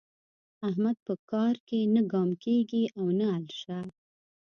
احمد په کار کې نه ګام کېږي او نه الشه.